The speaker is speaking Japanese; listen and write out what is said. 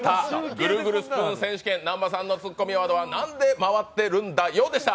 ぐるぐるスプーン選手権、南波さんのツッコミワードは「なんで回ってるんだよ」でした。